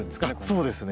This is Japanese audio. そうですね。